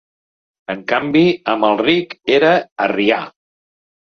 En canvi, Amalric era arrià.